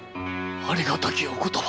ありがたきお言葉！